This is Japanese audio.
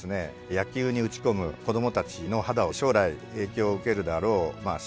野球に打ち込む子供たちの肌を将来影響を受けるであろう紫外線から守る。